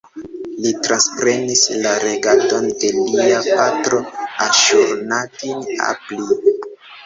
Li transprenis la regadon de lia patro Aŝur-nadin-apli.